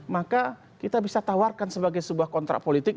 maka kita bisa tawarkan sebagai sebuah kontrak politik